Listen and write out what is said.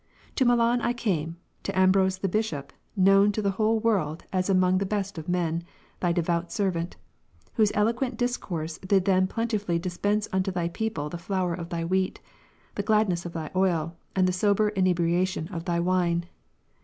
To Milan I came, to Ambrose the Bishop, known to the whole world as among the best of men. Thy devout servant ; whose eloquent discourse did then plenti Ps. 4, 7. fully dispense unto Thy people the flour of Thy wheat, the gladness of Thy oil, and the sober inebriation of Thy wine.